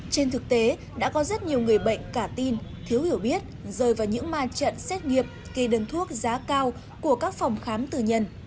trên thực tế đã có rất nhiều người bệnh cả tin thiếu hiểu biết rơi vào những ma trận xét nghiệm kỳ đơn thuốc giá cao của các phòng khám tư nhân